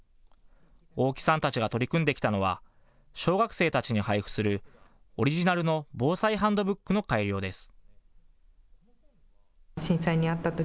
大木さんたちが取り組んできたのは小学生たちに配布するオリジナルの防災ハンドブックの改良です。